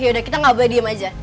yaudah kita gak boleh diem aja